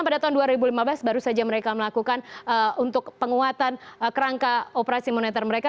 pada tahun dua ribu lima belas baru saja mereka melakukan untuk penguatan kerangka operasi moneter mereka